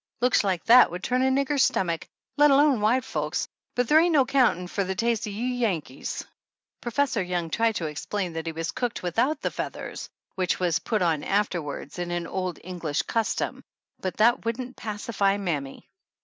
Looks like that would turn a nigger's stomach, let alone white folks ; but there ain't no 'countin' for the taste o' Yankees" Professor Young tried to explain that he was cooked without the feathers which was put on afterward and an old English custom, but that wouldn't pacify mammy.